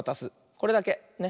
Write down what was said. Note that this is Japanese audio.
これだけ。ね。